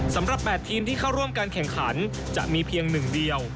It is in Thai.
สำหรับ๘ทีมที่เข้าร่วมการแข่งขันจะมีเพียงหนึ่งเดียว